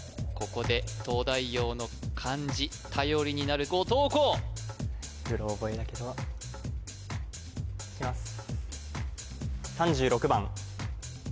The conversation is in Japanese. ここで東大王の漢字頼りになる後藤弘うろ覚えだけどいきます